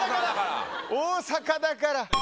大阪だから。